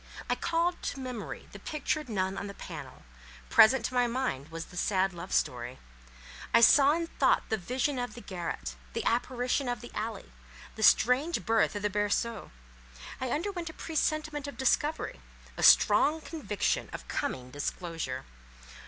I called up to memory the pictured nun on the panel; present to my mind was the sad love story; I saw in thought the vision of the garret, the apparition of the alley, the strange birth of the berceau; I underwent a presentiment of discovery, a strong conviction of coming disclosure.